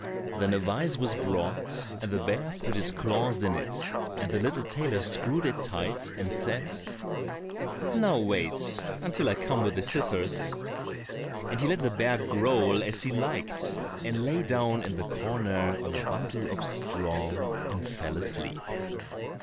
Then a vise was brought, and the bear put his claws in it, and the little tailor screwed it tight, and said, "Now wait until I come with the scissors," and he let the bear growl as he liked, and lay down in the corner on a bundle of straw, and fell asleep.